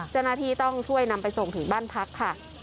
เจ้าหน้าที่ต้องช่วยนำไปส่งถึงบ้านพักค่ะ